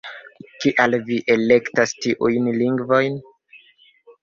Kial vi elektas tiujn lingvojn?